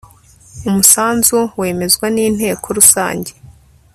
umusanzu wemezwa n inteko rusange